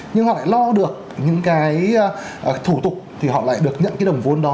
nhưng họ lại lo được những thủ tục thì họ lại được nhận đồng vốn đó